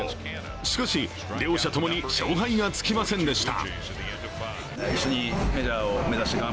しかし両者ともに勝敗がつきませんでした。